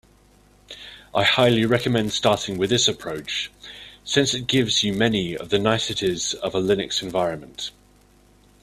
I highly recommend starting with this approach, since it gives you many of the niceties of a Linux environment.